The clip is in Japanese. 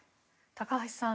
高橋さん